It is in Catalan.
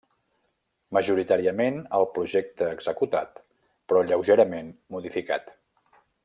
Majoritàriament el projecte executat, però lleugerament modificat.